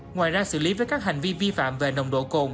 ngoài ra xử lý với các hành vi vi phạm về nồng độ cồn